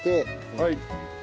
はい。